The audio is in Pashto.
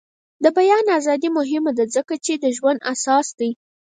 د بیان ازادي مهمه ده ځکه چې د ژوند اساس دی.